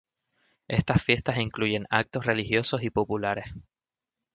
Estas fiestas incluyen actos religiosos y populares.